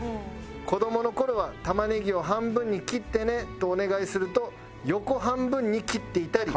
「子どもの頃は玉ねぎを半分に切ってねとお願いすると横半分に切っていたり」